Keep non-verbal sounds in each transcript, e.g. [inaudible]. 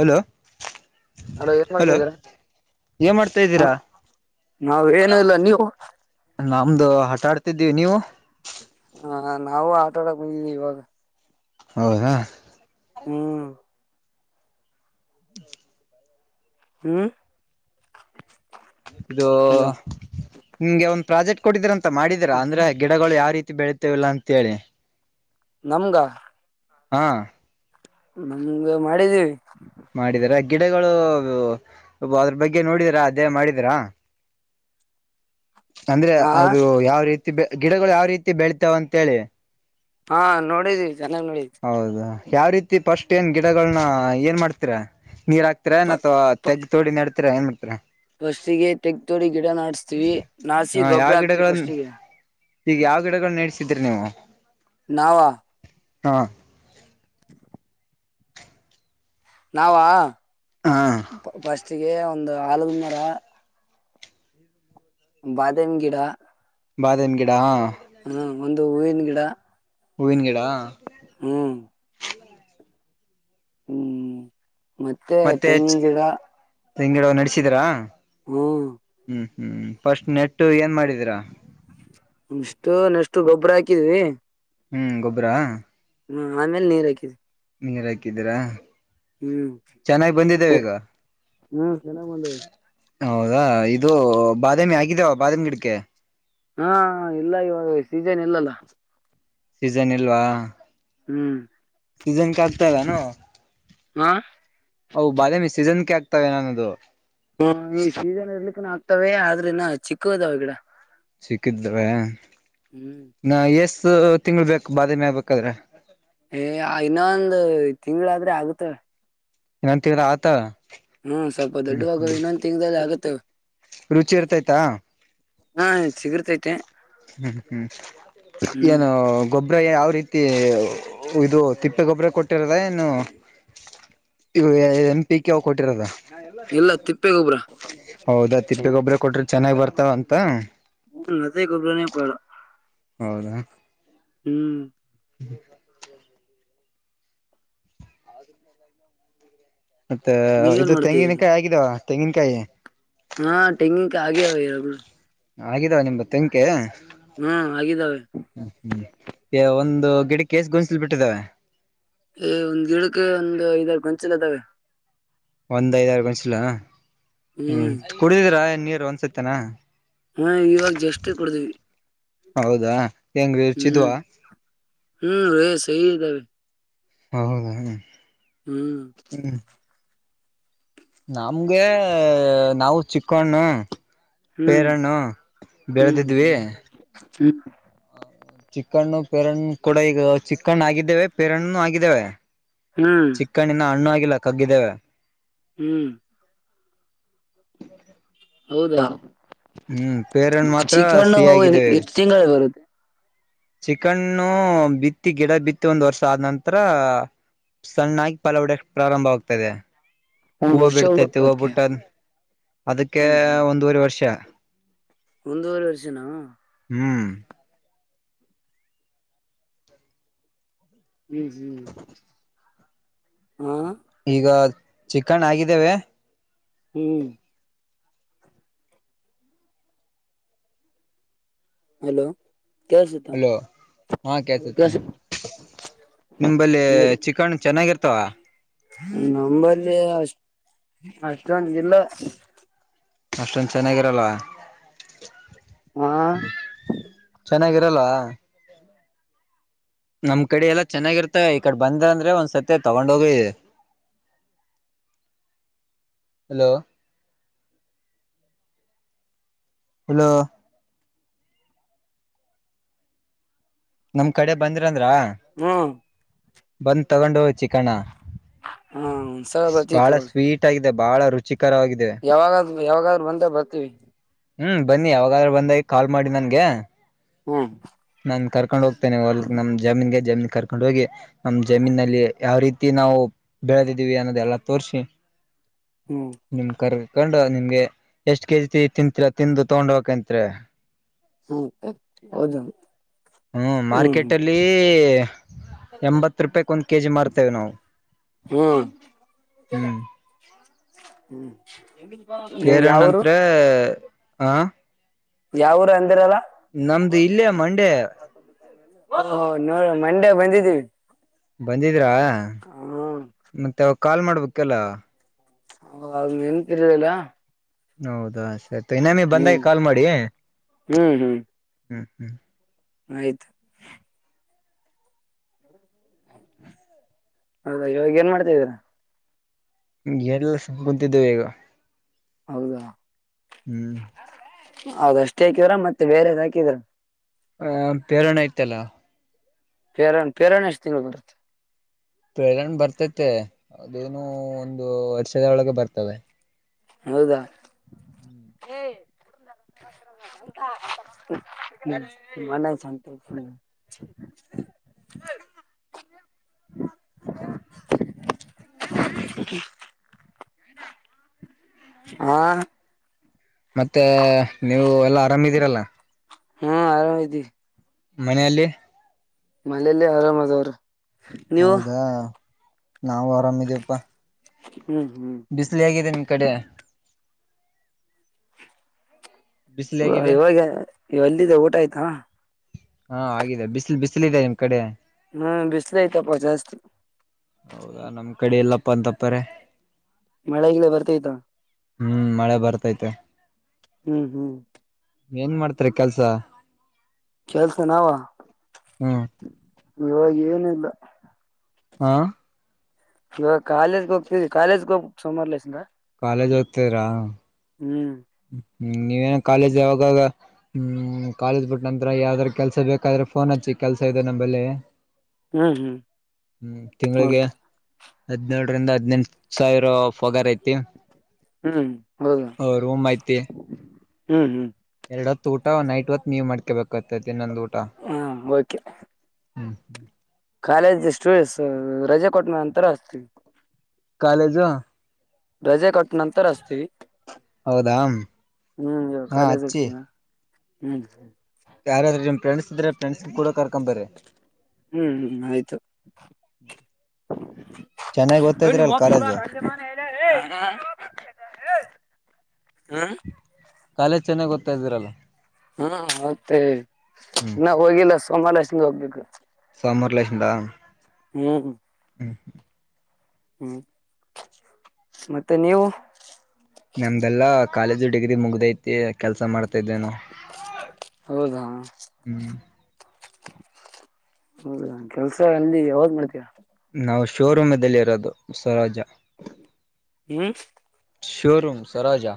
Hello hello ಏನ್ hello ಮಾಡ್ತಿದೀರಾ ಏನ್ ಮಾಡ್ತಾ ಹ ಇದ್ದೀರಾ ನಾವ್ ಏನು ಇಲ್ಲ ನೀವು ನಮ್ದು ಹಟಾ ಆಡ್. ದವು ನೀವು. ಹಾ ನಾವು ಆಟ ಆಡಕ್ವಿ ಇವಾಗ. ಹೌದಾ. ಹ್ಮ್. ಹ್ಮ. ಹ್ಮ್. ಇದು ಹಲೋ ನಿಮ್ಗೆ ಒಂದು. ಪ್ರಾಜೆಕ್ಟ್ ಕೊಟ್ಟೀರಂತೆ. ಮಾಡಿದರಾ ಅಂದ್ರೆ ಗಿಡಗಳು ಯಾವ ರೀತಿ ಬೆಳ. ಗತವಲ್ಲ ಅಂತೇಳಿ. ನಮ್ಗ. ಹಾ. ನಮ ಮಾಡಿದ್ದೀವಿ. ಮಾಡಿದರಾ ಗಿಡಗಳು ಅದ್ರ ಬಗ್ಗೆ ನೋಡಿದರಾ ಅದೇ ಮಾಡಿದೀರಾ. ಅಂದ್ರೆ ಹಾ ಅದು ಯಾವ ರೀತಿ. ಗಿಡಗಳು ಯಾವ ರೀತಿ ಬೆಳತಾವ ಅಂತೇಳಿ. ಹಾ ನೋಡಿದಿ. ಚೆನ್ನಾಗ್ ನೋಡು. ಹೌದಾ ಯಾವ ರೀತಿ ಪಫಸ್ಟ್ ಏನು ಗಿಡಗಳನ್ನ ಏನು ಮಾಡ್ತೀರಾ. ನೀರ್ ಹಾಕ್ತರ ನ ತೆಗ್ಗ ತೋ ನೆಡ. ಏ್ ಇತಾ. ಬಸಿಗೆ ತೆಗ್ತೋಡಿ. ಗಿಡ ನಡಸ್ತಿವಿ ನಾಸಿ ಹ ಯಾವ ಗೊಬ್ಬರ ಆಕ್ತಿವಿ ಗಿಡಗಳನ್ನ ಫಸ್ಟಿಗೆ. ಈಗ ಯಾವ ಗಿಡಗಳು ನಡ್ಸಿದ್ರಿ ನೀವು. ನವ. ಹಾ. ನಾವ. ಹಾ ಬ. ಅಚ್ಚಿಗೆ ಒಂದು ಆಲದ ಮರ. ಬಾದಾಮ ಗಿಡ. ಬಾದೆಮ ಗಿಡಾ. ಹ್ಮ್ ಒಂದು ಹೂವಿನ ಗಿಡ. ಹುವಿನ. ಹ್ಮ್. ಹ್ಮ್. ಮತ್ತೆ ತೆಂಗಿನ ಗಿಡ. ತೆಂಗಿನ ಗಿಡ ನಡಸಿದೀರಾ ಹ್ಮ್ ಹ್ಮ್ ಫಸ್ಟ್ ನೆಟ್ಟು ಏನ್ ಮಾಡಿದ ಅಷ್ಟು ನ ಎಷ್ಟು ಗೊಬ್ಬರ ಹಾಕಿ ಹಾಕ್ಕಿದ್ವಿ ಹ್ಮ್ ಗೊಬ್ಬರಾ ಹ್ಮ ಆಮೇಲೆ ನೀರ್ ಹಾಕಿದೆ ನೀರ್ ಹಾಕಿದೀರಾ ಚೆನ್ನಾಗಿ ಬಂದಿದ್ದೇವೆ ಹ್ಮ್ ಈಗ ಹ್ಮ್ ಸಲ ಮಾಡಂದ ಹೌದಾ ಇದು ಬಾದಾಮಿ ಆಗಿದವ ಬಾದಾಮಿ ಗಿಡಕ್ಕೆ ಹಾ ಇಲ್ಲ ಇವಾಗ ಸೀಜನ್ ಇಲ್ಲಲ್ಲ ಸೀಸನ್ ಇಲ್ವಾ ಹ್ಮ್ ಸೀಸನ್ ಕ ಆಗ್ತದಾನ ಹಾ ಹ ಬಾದಮಿ ಸೀಸನ್ ಕ ಆಗ್ತವೆ ನನ್ನದು ಹ ಈ ಸೀಸನ್ ಇರ್ಲಿಕ್ಕ ಆಗ್ತವ ಆದ್ರೆನ ಚಿಕ್ಕದಾವ ಗಿಡ ಸಿಕ್ಕಿದ್ರೆ ಹ್ಮ್ ನ ಎಸ್ ತಿಂಗಗಳು ಬೇಕಕ್ ಬಾದ ಮೇ ಬೇಕಾದ್ರೆ ಏ ಇನ್ನೊಂದು ತಿಂಳಾದ್ರೆ ಆಗುತ್ತೆ ಏನಂತ್ರ ಆತ ಹ್ಮ್ ಸ್ವಲ್ಪ ಹ್ಮ್ ದೊಡ್ಡವಾಗುವ ಹ್ಮ್ ಇನ್ನೊಂದ ತಿಂಗದಲ್ಲಿ ಆಗುತ್ತ ರುಚಿ ಇರ್ತೈತಾ ಹಾ ಸಿಗರ್ತೈತೆ ಹ್ಮ್ ಹ್ಮ್ ಹ್ಮ್ ಏನು ಗೊಬ್ಬ ಗೊಬ್ರ ಯಾವ ರೀತಿ ಇದು ತಿಪ್ಪೆಗೊಬರ ಕೊಟ್ಟಿರದ ಏನು ಏನ್. ಪಿ. ಕೆ ಕೊಟ್ಟಿರದ ಇಲ್ಲ ತಿಪ್ಪೆ ಗೊಬ್ರ ಹೌದಾ ತಿಪ್ಪಗೊಬ್ರ ಕೊಟ್ರಿ ಚೆನ್ನಾಗ್ ಬರ್ತಾವ ಅಂತ ನ ಗಬರೋ ನ ಪಡೋ ಅವದ ಹ್ಮ್ ಹ ಮತ್ತೆ ನೀವೇನ್ ಇದು ಮಾಡ್ತಿದೀರಿ ತೆಂಗಿನಕಾಯಿ ಆಗಿದಾವ ತೆಂಗಿನಕಾಯೆ ಹಾ ಟೆಂಗಿನ ಕಾಯಿ ಆಗವೆ. ಆಗಿದಾವ ನಿಮ್ದು ತೆಂಗಿನಕಾಯಿ. ಹ್ಮ ಆಗಿದ್ದಾವೆ. ಒಂದು ಗಿಡಕ್ಕೆ ಎಸ್ ಗೋನ್ಸಲ್ ಬಿಟ್ಟಿದ್ದವೇ. ಏ ಒಂದ್ ಗಿಡಕ್ಕೆ ಒಂದು ಐದಾರು ಗೊಂಚಲು ಇದಾವೆ. ಒಂದೈದಾರು ಗೊಂಚಲ. ಹ್ಮ್ ಕುಡಿದೀರಾ ಎಳ್ಳು ನೀರ್. ಒಂದ್ [unintelligible] ಹ್ಮ ಇವಾಗ ಜಸ್ಟ್ ಕುಡದೀವಿ ಹೌದಾ ಹೆಂಗ ರುಚಿದ್ವಾ ಹ್ಮ್ ಹ್ಮ್ ರೇಸ್. ಹೇಗಿದಾವೆ. ಹೌದಾ. ಹ್ಮ್. ನಾ. ನಮಗೆ ನಾವು. ಚಿಕ್ಕಣ್ಣು. ಹ್ಮ್ ಪೇರಣ್ಣು ಹ್ಮ್ ಬೆಳೆದಿದ್ವಿ. ಹ್ಮ್. ಚಿಕಣ್ಣು ಪೆರಣ್ಣು ಕೂಡ ಈಗ ಚಿಕ್ಕಣ್ಣ ಆಗಿದ್ದೇವೆ. ಪರಣ್ಣುನೂ ಹಾಗಿದ್ದೇವೆ ಹ್ಮ್ ಚಿಕ್ಕಣ್ಣು ಇನ್ನಾ ಹಣ್ಣಾಗಿ. ಇಲ್ಲ ಕಗ್ಗಿದಾವೆ. ಹ್ಮ್. [inaudible] ಹೌದಾ. ಹ್ಮ್ ಪೇರಣ್ಣ ಮಾತ್ರ ಚಿಕಣ್ಣ ಸಿಹಿ ಅವು ಆಗಿದ್ದೇವೆ ಎಷ್ಟ್ ತಿಂಗಳ ಬರುತ್ತೆ. ಚಿಕಣ್ಣು ಬಿತ್ತಿ ಗಿಡ ಬಿತ್ತಿ ಒಂದ್ ವರ್ಷ ಆದ ನಂತರ ಸಣ್ಣಾಗಿ ಪಲಾವಡಯಕ್ಕೆ ಪ್ರಾರಂಭವಾಗ್ತದೆ. ಒಂದ್ ಹೂವು ವರ್ಷ ಬಿಡ್ತೈತಿ ಹೋಗ್ಬೇಕು ಹೂ ಅದ್ಕೆ ಬುಟ್ಟ ಆದ್ಮೇಲೆ. ಅದಕ್ಕೆ ಒಂದುವರೆ ವರ್ಷ. ಒಂದುವರೇ ವರ್ಷನಾ. ಹ್ಮ್. ಹ್ಮ್ ಹ್ಮ್ ಹಾ. ಈಗ ಚಿಕಣ್ಣ ಆಗಿದಾವೇ. ಹ್ಮ್. ಹಲೋ. ಕೇಳ್ಸುತ್ತ ಹಲೋ ಹಾ ಕೇಳತೈತಿ ಕೇಳ್ಸ ನಿಮಂಬಲ್ಲಿ ಚಿಕಣ್ಣು ಚೆನ್ನಾಗಿರ್ತಾವ. ನಂಬಲ್ಲಿ ಅಷ್ಟ್ ಅಷ್ಟ್ಟೊಂದಿಲ್ಲ. ಅಷ್ಟೊಂದ್ ಚೆನ್ನಾಗಿರಲ್ಲವ. ಹಾ. ಚೆನ್ನಾಗಿರಲ್ವಾ. ನಮ್ ಕಡೆ ಎಲ್ಲಾ ಚೆನ್ನಾಗಿರ್ತ ಈ ಕಡೆ ಬಂದ ಅಂದ್ರೆ ಒಂದ್ಸತಿ ತಗೊಂಡೋಗಿ ಹಲೋ ಹಲೋ ನಮ್ ಕಡೆ ಬಂದ್ರೆ ಬಂದ್ರ ಹ್ಮ್ ಬಂದ್ ತಗೊಂಡ ಹೋಗಿ ಚಿಕ್ಕಣ್ಣ ಹಾ ಒಂದ್ಸಲ ಬರ್ತಿ ತಗೋಳಿ ಸ್ವೀಟ್ ಆಗಿದೆ ಬಹಳ ರುಚಿ ಕರವಾಗಿದ್ದವೆ ಯಾವಾಗಾದ್ರು ಬಂದ ಬರ್ತೀವಿ ಹ್ಮ್ ಬನ್ನಿ ಯಾವಾಗಾದ್ರೂ ಬಂದಾಗ ಕಾಲ್ ಮಾಡಿ ನನ್ಗೆ ಹ್ಮ್ ನಾನ್ ಕರ್ಕೊಂಡ ಹೋಗಿ ನಮ್ ಜಮೀನಲ್ಲಿ ಯಾವ ರೀತಿ ನಾವು ಬೆಳೆದಿದ್ದೀವಿ ಅನ್ನೋದೆಲ್ಲಾ ತೋರ್ಸಿ ಹ್ಮ್ ನಿಮ್ ಕರ್ಕೊಂಡ ನಿ ನಿಮಗೆ ಎಷ್ಟ್ ಕೆಜಿ ತಿಂತರ ತಿಂದು ತಗೊಂಡ್ ಹಕತ್ರ ಹ್ಮ ಹೌದ ಹ್ಮ ಮಾರ್ಕೆಟ್ ಅಲ್ಲಿ ಎಂಬತ್ ರೂಪಾಯಕ್ ಒಂದ್ ಕೆಜಿ ಮಾಡ್ತೇವೆ ನಾವು ಹ್ಮ್ ಹ್ಮ್ ಎ ಕೇರಣರಣಂತ್ರ ಆ ಯಾವ ಊರು ಅಂದಿರಲ್ಲ ನಮ್ದು ಇಲ್ಲೇ ಮಂಡೇ ನೋ ಮಂಡೆ ಬಂದಿದ್ದೀವಿ ಬಂದಿ ರ ಹ್ಮ್ ಮತ್ತೆ ಕಾಲ್ ಮಾಡ್ಬೇಕಲ್ಲ ಹ ಆವಾಗ ನಿತಿರ್ಲಿಲ್ಲ ಹೌದಾ ಸರಿ ಇನ್ನಾಮಿ ಬಂದಾಗ ಕಾಲ್ ಮಾಡಿ ಹ್ಮ್ ಹ್ಮಞ ಆಯ್ತು ಹೌದಾ ಇವಾಗ ಏನ್ ಮಾಡ್ತಾ ದ್ದೀರ ಗೆ ಏನಿಲ್ಲಾ ಸುಮ್ಮನೆ ಕುಂತಿದ್ದೇವೆ ಈಗ ಹೌದಾ ಹ್ಮ್ ಹೌದ ಅಷ್ಟೇ ಹಾಕಿದ್ರ ಮತ್ತೆ ಬೇರೆದ್ ಹಾಕಿದ್ರ ಹ ಬೇರಣ್ಣ ಆಯ್ತಲ್ಲ ಪೇರಾಣ್ ಪೇರಾಣ ಎಷ್ಟು ತಿಂಗಳು ಬರುತ್ತೆ ಪೇರಣ್ಣ ಬರ್ತತೆ ಅದೇನು ಒಂದು ವರ್ಷದೊಳಗೆ ಬರ್ತವೆ ಹೌದಾ ಹೇ ಮನ ಸತ ಹಾ ಮತ್ತೆ ನೀವು ಎಲ್ಲಾ ಆರಾಮಿದೀರಲ್ಲ ಹ್ಮ ಆರಾಮ್ ಇದ ಮನೆಯಲ್ಲಿ ಮನೇಲಿ ಆರಾಮ್ ಅದವ್ರ ರಿ ಹೌದಾ. ನಾವು ಆರಾಮಿದೀಪ್ಪಾ. ಹ್ಮ್ ಹ್ಮ್ ಬಿಸ್ಲಿ ಆಗಿದೆ ನಿಮ. ಕಡೆ. ಬಿಸಿಲು ಹೇಗಿದೆ ಇವಾಗ ಇ ಎಲ್ಲಿದೆ ಊಟ ಆಯ್ತಾ. ಹಾ ಆಗಿದೆ ಬಿಸಿಲು ಬಿಸಲ ಇದೆದೆ ನಿಮ್ ಕಡೆ. ಹ್ಮ್ ಬಿಸಲ ಇತಪ್ಪ ಜಾಸ್ತಿ. ಪ್ಪರ. ಮಳೆಗಲ ಬರ್ತೈತಾ. ಹ್ಮ್ ಮಳೆ ಬರ್ತೈತೆ. ಹ್ಮ್ ಹ್ಮ್. ಏನ್ ಮಾಡ್ತರಿ ಕೆಲ್ಸ. ಕೆಲ್ಸ ನಾವ. ಹ್ಮ್ ಇವಾಗ ಏನಿಲ್ಲ. ಹಾ. ಇವಾಗ ಕಾಲೇಜ್ಗೆ ಹೋಗ್ತವಿ ಕಾಲೇಜ್ಗೆ ಹೋಗ ಸೋಮವಾರ ಲಸಂಗ. ಕಾಲೇಜ್ ಓದ್ತರಾ. ಹ್ಮ್. ಹ್ಮ್ ನೀವೇನ ಕಾಲೇಜ್ ಅವಾಗ ಹ್ಮ್ ಕಾಲೇಜ್ ಬಿಟ್ಟ ನಂತ್ರ ಯಾವ್ದಾರ ಕೆಲ್ಸ ಬೇಕಾದ್ರೆ ಫೋನ್ ಹಚ್ಚಿ ಕೆಲ್ಸ ಇದೆ ನಮ್ಮಂಬಲ್ಲಿ. ಹ್ಮ್ ಹ್ಮ್ ಹ್ಮ್ ತಿಂಗಳಿಗೆ. ಓಕೆ ಹದ್ನೇಳರಿಂದ ಹದ್ನೆೆಂಟ ಸಾವಿರ ಪಗಾರ ಐತಿ. ಹ್ಮ್ ಹೌದಾ. ರೂಮ್ ಹ್ಮ್ ಹ್ಮ್. ಎರಡು ಹೊತ್ತು ಊಟ ನೈಟ್ ಹೊತ್ ನೀವ ಮಾಡ್ಕೇಬೇಕುಾಗತೈತಿ ನೊಂದು ಊ. ಹಾ ಓಕೆ. ಹ್ಮ್ ಹ್ಮ್. ಕಾಲೇಜ್ ಸ್ಟೂಡೆಂಟ್ಸ್ ರಜೆ ಕೊಟ್ಟ್ಮ ಅಂತರ ಹಸ್ತೀವಿ. ಕಾಲೇಜಾ. ರಜೆ ಕೊಟ್ಟ. ನಂತರ ಅತಿ ಹೌದಾ ಹ್ಮ್ ಹಾ ಕಾಲಗ್ತಿ. ಹ್ಮ್ ಹ್ಮ. ಯಾರಾದ್ರೇನ್. ಹ್ಮ್ ಹ್ಮ್ ಆಯ್ತು. ಚೆನ್ನಾಗಿ ಓದ್ತಾ ಇದ್ರಲ್ ಕಾಲೇಜು ಹ್ಮ. ಕಾಲೇಜ್ ಚೆನ್ನಾಗ್ ಓದ್ತ ಇದೀರಲ್ಲ. ಹ್ಮ ಮತ್ತೇ ಹ್ಮ್ ಇನ್ನ ಹೋಗಿಲ್ಲ. [unintelligible] ಸೋಮಾರಷ್ಟಿಂದ ಹೋಗ್ಬೇಕು. [unintelligible] ಸಂಬರ್ಲೇಶಿಂದಾ. ಹ್ಮ್ ಹ್ಮ್ ಮತ್ತೆ ನೀವು ನಮ್ದೆಲ್ಲಾ ಕಾಲೇಜು ಡಿಗ್ರಿ ಮುಗ್ಧಐತಿ ಕೆಲ್ಸ ಮಾಡ ತ ಇದಿದ್ದೇನ ಹ್ಮ್ [unintelligible] ಹೌದ ಕೆಲ್ಸ ಅಲ್ಲಿ ಯಾವಾಗ್ ಮಾಡ್ತೀಯಾ ಉಸರಜ ಹ್ಮ್ ಶೋರೂಮ್ ಸರೋಜಾ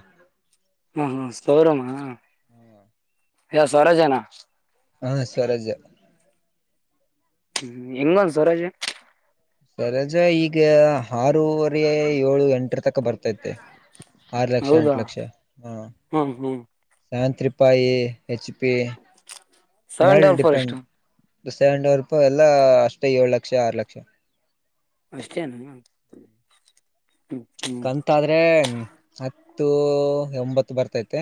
[unintelligible] ಹ್ಮ ಹ್ಮ ಸೌರಮ ಯ ಸ್ವರಾಜನಾ ಹಾ ಸ್ವರಾಜ್ಯ ಹ್ಮ್ ಹೆಂಗ ಒಂದ ಸರೂವರಾಜ ಸರೊಜಾ ಈಗ ಆರೂವರೆ ಏಳು ಎಂಟ್ರ ತಕ ಬರ್ತತಿ ಆರು ಲಕ್ಷ ಎಂಟ್ ಹೌದಾ ಲಕ್ಷ ಹಾ ಹ್ಮ್ ಹ್ಮ್ ನ್ಯಾನ್ತ್ರಿಪಾಯಿ H P seven double four ಎಷ್ಟು ಸೆಂಡ್ ವರ್ಪ್ ಎಲ್ಲಾ ಅಷ್ಟೇ ಏಳ್ ಲಕ್ಷ ಆರು ಲಕ್ಷ ಅಷ್ಟೇನ ಕಂತಾದ್ರೆ ಹ [inaudible] ಹತ್ತು ಉ ಒಂಬತ್ತು ಬರ್ತೈತೆ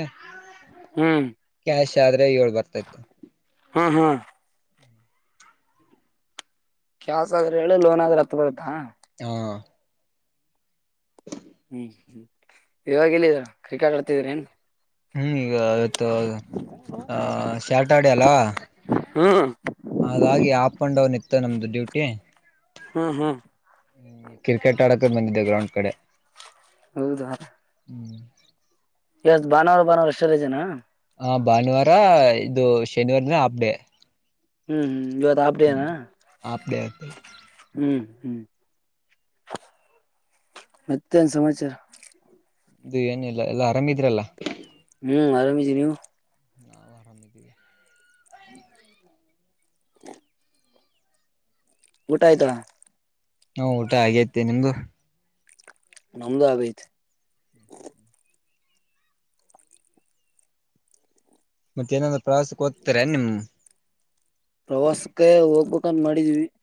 ಹ್ಮ್ ಶ ಏಳ್ ಬರ್ತೈತೆ ಹ್ಮ್ ಹ್ಮ್ ಕ್ಯಾಸ್ ಆದ್ರೆ ಹೇಳಿ ಲೋನ್ ಆದ್ರೆ ಹತ್ ಬರುತ್ ಹಾ ಹ್ಮ್ ಹ್ಮ್ ಇವಾಗ ಎಲ್ಲಿದ್ರ ಕ್ರಿಕೆಟ್ ಆಡ್ತಿದ್ರ ಏನ್ ಹ್ಮಗೆ [unintelligible] ಶ್ಯಾಟ್ ಆಡಿ ಅಲ್ಲ ಹ್ಮ್ ಹಾಗಾಗಿ ಆಪ್ ಅಂಡ್ ಡೌನ್ ಇತ್ತು ನಮ್ದು ಡ್ಯೂಟಿ ಹ್ಮ್ ಹ್ಮ್ ಕ್ರಿಕೆಟ್ ಆಡ ಬಂದಿದೆ ಗ್ರೌಂಡ್ ಕಡೆ ಹೌದಾ ಹ್ಮ್ ಎ ಭಾನವಾರ ಭಾನವಾರ ಎಶವರಜನಾ ಹ ಭಾನುವಾರ ಇದು ಶನಿವಾರನ ಹಾಪ್ ಡೇ ಹ್ಮ್ ಹ್ಮ್ ಇದ ಹಾಪ ಡೇ ಎನ ಹ್ಮ್ ಹಾಫ್ ಡೇ ಆಯ್ತು ಹ್ಮ್ ಹ್ಮ್ ಮತ್ತನ್ ಸಮಾಚಾರ ಇದು ಏನಿಲ್ಲ ಎಲ್ಲಾ ಆರಾಮಿದ್ರಲ್ಲ ಹ್ಮ್ ಆರಾಮಿದ ನೀವು ಹಾ ಆರಾಮ ಹ ಊಟ್ತಾ ಅಂತ, ಹ್ಮ್ಲ ಊಟ ಹಾಗೇತಿ ನಿಮ್ದು. - ನಮ್ಮದು ಆಗೈತೆ. - ಮತ್ತ ಏನಾದ್ರು ಪ್ರವಾಸಕ್ಕೆ ಓದ್ತಾರೆ ನಿಮ, - ಕೊಂಡ ಮಾಡಿದೀವಿ. -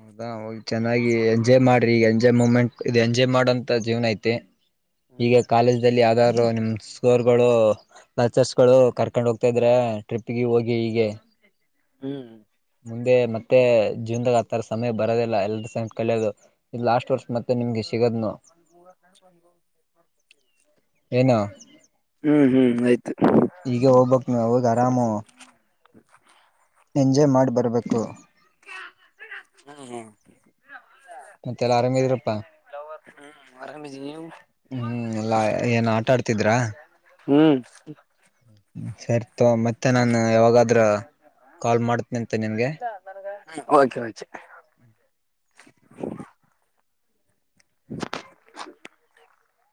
ಹೌದಾ ಹೋಗಿ ಚೆನ್ನಾಗಿ ಎಂಜಾಯ್ ಮಾಡ್ರಿ ಈಗ ಎಂಜಾಯ್ ಮೂಮೆಂಟ್ ಇದು. ಎಂಜಾಯ್ ಮಾಡೋಂತ ಜೀವ್ನ ಐತೆ- ಈಗ ಹ್ಮ್ ಕಾಲೇಜಲ್ಲಿ ಆ, - ರು ನಿಮ್ ಸರ್ರ್ಗಳು, ಲಚರ್ಸ್ಗಳು ಕರ್ಕೊಂಡ್ ಹೋಗ್ತಾ ಇದ್ರ ಟ್ರಿಪ್ಗೆ ಹೋಗಿ ಹೀಗೆ. ಹ್ಮ್, ಮುಂದೆ ಮತ್ತೆ ಜೀವನದಾಗ ಆಥರ ಸಮಯ ಬರೋದಿಲ್ಲ. ಎಲ್ರ ಸ ಕಲಿಯೋದು ಇ ಲಾಸ್ಟ್ ವರ್ಷ ಮೆ, - ಏನು ಹ್ಮ್, ಹ್ಮ್ ಆಯ್ತು. - [inaudible] ಈಗ ಹೋಗ್ಬಕ್ ನೀ ಹೋಗಿ ಆರಾಮು ಎಂಜಾಯ್ ಮಾಡಿ ಬರ್ಬೇಕು. - ಹ್ಮ್, ಮತ್ತೆಲ್ಲ ಆರಾಮಿದ್ರಪ್ಪಾ ಹ್ಮ್, ಆರಾಮೇ ಜ ಹ್ಮ್ ಎಲ್ಲಾ ಏನ್ ಆಟ ಆಡ್ತಿದ್ರಾ ಹ್ಮ್, ಸರಿತಗೋ ಮತ್ತೆ ನಾನು, - ಯಾವಾಗಾದ್ರ ಕಾಲ್ ಮಾಡತ್ನಿ ಅಂತೆ ನಿನ್ಗೆ., - ಹ್ಮ, ಓಕೆ, ಓಕೆ ಕ [inaudible]